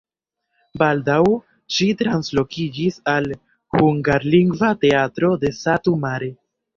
Baldaŭ ŝi translokiĝis al hungarlingva teatro de Satu Mare.